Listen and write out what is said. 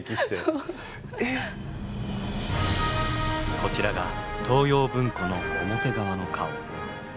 こちらが東洋文庫の表側の顔。